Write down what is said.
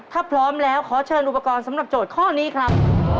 ถ้าพร้อมแล้วขอเชิญอุปกรณ์สำหรับโจทย์ข้อนี้ครับ